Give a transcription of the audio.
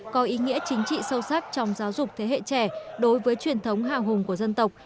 có ý nghĩa chính trị sâu sắc trong giáo dục thế hệ trẻ đối với truyền thống hào hùng của dân tộc